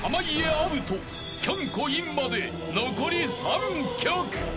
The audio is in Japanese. アウトきょんこインまで残り３曲］